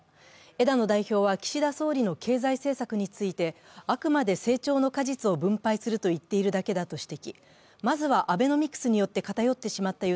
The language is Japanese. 枝野代表は岸田総理の経済政策について、あくまで成長の果実を分配すると言っているだけだと指摘。